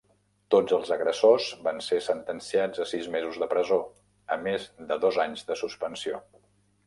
Tots els agressors van ser sentenciats a sis mesos de presó, a més de dos anys de suspensió.